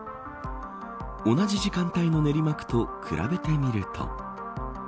同じ時間帯の練馬区と比べてみると。